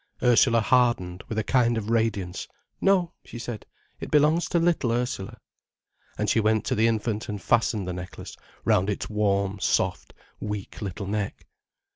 Ursula hardened with a kind of radiance. "No," she said. "It belongs to little Ursula." And she went to the infant and fastened the necklace round its warm, soft, weak little neck.